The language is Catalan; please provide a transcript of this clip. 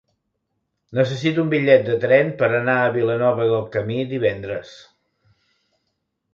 Necessito un bitllet de tren per anar a Vilanova del Camí divendres.